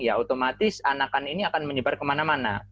ya otomatis anakan ini akan menyebar kemana mana